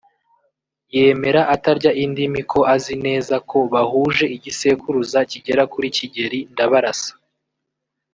yemera atarya indimi ko azi neza ko bahuje igisekuruza kigera kuri Kigeli Ndabarasa